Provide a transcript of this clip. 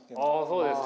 そうですか。